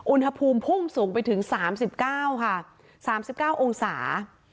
อุณหภูมิพุ่งสูงไปถึง๓๙ค่ะ๓๙องศา